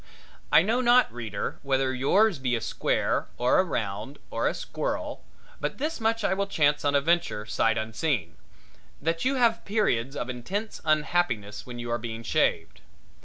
I know not, reader, whether yours be a square or a round or a squirrel, but this much I will chance on a venture, sight unseen that you have your periods of intense unhappiness when you are being shaved.